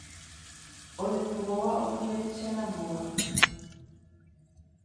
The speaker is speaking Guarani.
Oikóva ojehecharamóva.